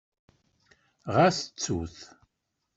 Ɣas ttut.